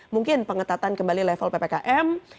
mungkin pengetatan kembali level ppkm